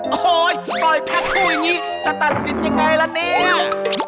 โอ้โหปล่อยแพ็คคู่อย่างนี้จะตัดสินยังไงล่ะเนี่ย